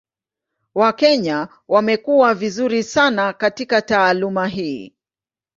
Wakenya wamekuwa vizuri sana katika taaluma hii.